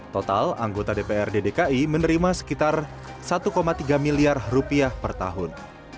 total anggota dprd dki menerima sekitar satu tiga miliar rupiah per tahun